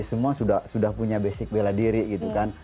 semua sudah punya basic bela diri gitu kan